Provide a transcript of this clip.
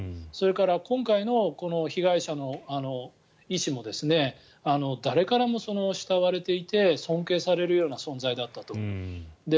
それから今回のこの被害者の医師も誰からも慕われていて尊敬されるような存在だったと。